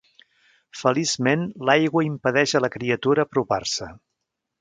Feliçment, l'aigua impedeix a la criatura apropar-se.